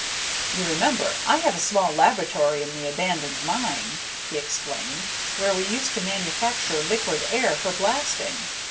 "You remember I have a small laboratory in the abandoned mine," he explained, "where we used to manufacture liquid air for blasting.